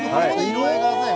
色合いがね。